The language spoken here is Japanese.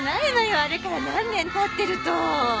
あれから何年経ってると。